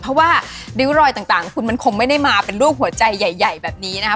เพราะว่าริ้วรอยต่างคุณมันคงไม่ได้มาเป็นรูปหัวใจใหญ่แบบนี้นะคะ